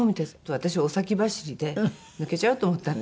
私お先走りで抜けちゃうと思ったんで。